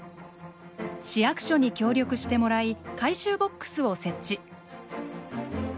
市役所に協力してもらい回収ボックスを設置。